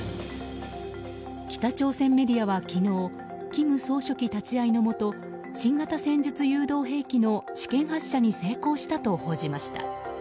北朝鮮メディアは昨日金総書記立ち会いのもと新型戦術誘導兵器の試験発射に成功したと報じました。